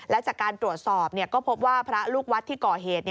และจากการตรวจสอบก็พบว่าพระลูกวัดที่ก่อเหตุ